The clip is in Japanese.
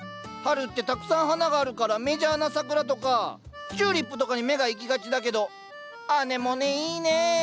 春ってたくさん花があるからメジャーな桜とかチューリップとかに目が行きがちだけどアネモネいいね。